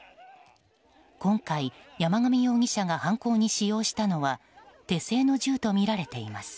今回山上容疑者が犯行に使用したのは手製の銃とみられています。